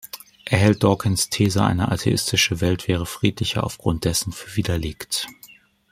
Er hält Dawkins’ These, eine atheistische Welt wäre friedlicher, aufgrund dessen für widerlegt.